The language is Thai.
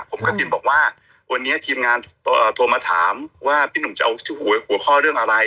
ผมกระพิมพ์บอกว่าวันนี้ทีมงานโทรมาถามว่าพี่หนุ่มจะเอาหัวข้อเรื่องอะไร